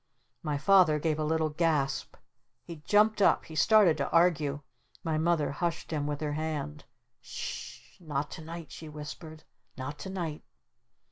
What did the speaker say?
My Father gave a little gasp. He jumped up! He started to argue! My Mother hushed him with her hand. "S sh not to night!" she whispered. "Not to night!"